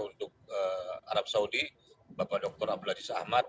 untuk arab saudi bapak dr abdul aziz ahmad